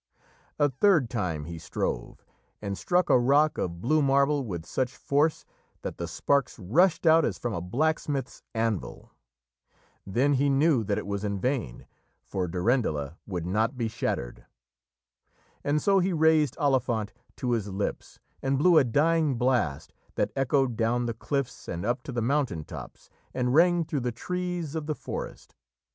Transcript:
A third time he strove, and struck a rock of blue marble with such force that the sparks rushed out as from a blacksmith's anvil. Then he knew that it was in vain, for Durendala would not be shattered. And so he raised Olifant to his lips and blew a dying blast that echoed down the cliffs and up to the mountain tops and rang through the trees of the forest.